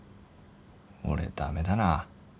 俺駄目だな。